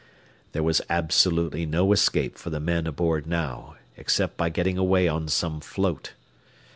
There was absolutely no escape for the men aboard now, except by getting away on some float.